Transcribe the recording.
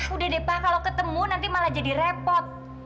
udah deh pak kalau ketemu nanti malah jadi repot